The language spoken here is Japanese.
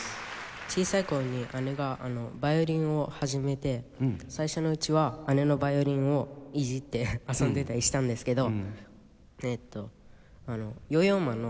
小さい頃に姉がヴァイオリンを始めて最初のうちは姉のヴァイオリンをいじって遊んでたりしたんですけど。